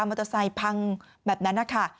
มอเตอร์ไซต์พังแบบนั้นค่ะ